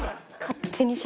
勝手に。